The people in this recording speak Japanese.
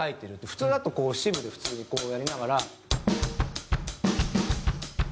普通だとシングルで普通にこうやりながら。